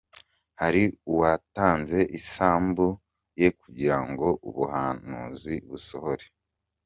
Hari uwatanze isambu ye kugira ngo ubuhanuzi busohore.